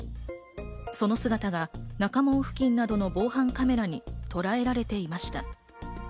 その姿が中門付近などの防犯カメラにとらえられていました。